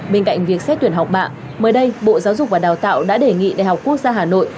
bên cạnh việc xét tuyển học bạ mới đây bộ giáo dục và đào tạo đã đề nghị đại học quốc gia hà nội